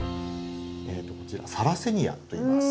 こちらサラセニアといいます。